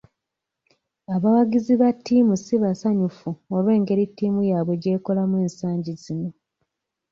Abawagizi ba ttiimu si basanyufu olw'engeri ttiimu yaabwe gy'ekolamu ensangi zino.